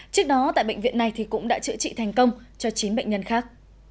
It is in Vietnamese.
trước đó tại bệnh viện này cũng đã chữa trị thành công cho chín bệnh nhân khác